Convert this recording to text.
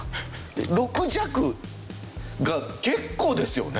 ６弱が結構ですよね？